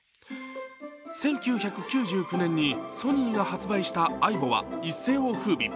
１９９９年にソニーが発売したａｉｂｏは一世をふうび。